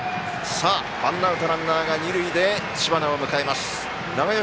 ワンアウトランナーが二塁で知花を迎えます。